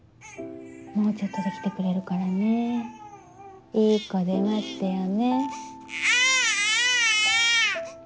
もうちょっとで来てくれるからねいい子で待ってようね。